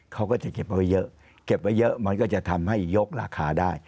เขาก็จะเก็บไว้เยอะเก็บไว้เยอะมันก็จะทำให้ยกราคาได้